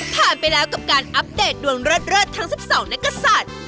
ผ่านไปแล้วกับการอัปเดตดวงเลิศทั้ง๑๒นักศัตริย์